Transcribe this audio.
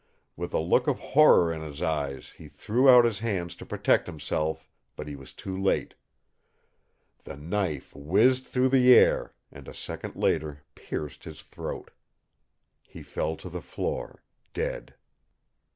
With a look of horror in his eyes he threw out his hands to protect himself, but he was too late. The knife whizzed through the air and a second later pierced his throat. He fell to the floor dead.